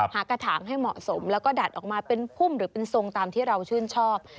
กระถางให้เหมาะสมแล้วก็ดัดออกมาเป็นพุ่มหรือเป็นทรงตามที่เราชื่นชอบ